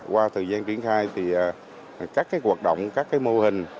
qua thời gian triển khai thì các hoạt động các mô hình